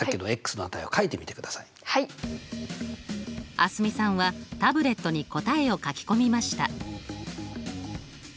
蒼澄さんはタブレットに答えを書き込みました。